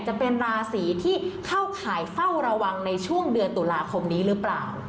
จะเป็นราศีที่เข้าข่ายเฝ้าระวังในช่วงเดือนตุลาคมนี้หรือเปล่า